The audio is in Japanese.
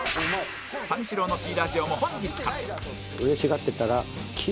三四郎の Ｐ ラジオも本日から